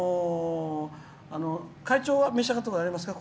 会長は召し上がったことありますか？